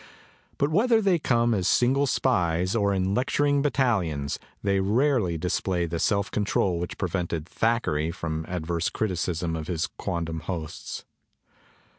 But whether they come as single spies or in lec turing battalions they rarely display the si lf control which prevented Thackeray from ad verse criticism of his quondam hosts.